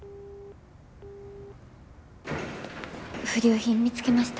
不良品見つけました。